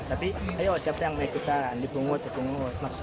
tapi ayo siapa yang mengikuti kan dipungut pungut